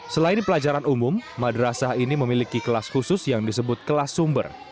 selain pelajaran umum madrasah ini memiliki kelas khusus yang disebut kelas sumber